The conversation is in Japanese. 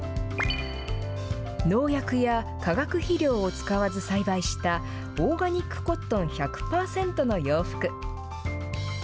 農薬や化学肥料を使わず栽培したオーガニックコットン１００パーセントの洋服。